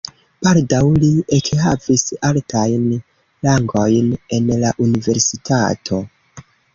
Baldaŭ li ekhavis altajn rangojn en la universitato.